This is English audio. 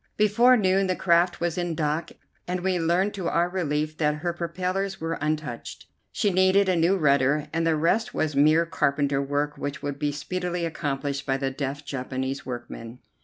Before noon the craft was in dock, and we learned to our relief that her propellers were untouched. She needed a new rudder, and the rest was mere carpenter work which would be speedily accomplished by the deft Japanese workmen.